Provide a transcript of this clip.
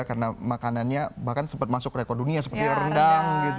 karena makanannya bahkan sempat masuk rekor dunia seperti rendang gitu